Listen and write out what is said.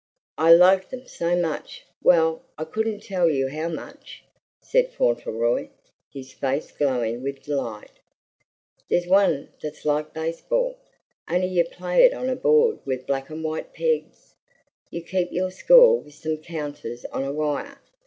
"I like them so much well, I couldn't tell you how much!" said Fauntleroy, his face glowing with delight. "There's one that's like baseball, only you play it on a board with black and white pegs, and you keep your score with some counters on a wire.